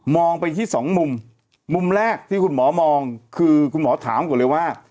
ไปที่สองมุมมุมแรกที่คุณหมอมองคือคุณหมอถามก่อนเลยว่า